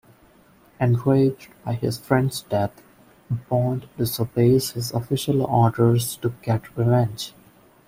Enraged by his friend's death, Bond disobeys his official orders to get revenge.